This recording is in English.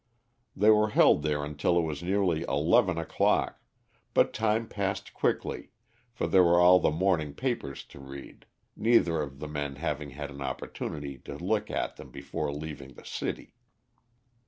They were held there until it was nearly eleven o'clock, but time passed quickly, for there were all the morning papers to read, neither of the men having had an opportunity to look at them before leaving the city.